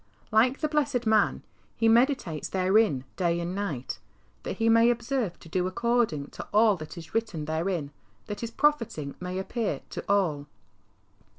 Like the blessed man, he '' meditates therein day and night," that he may observe to do according to all that is written therein, that his profiting may appear to all.